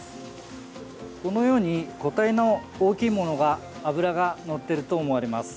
このように個体の大きいものが脂がのっていると思われます。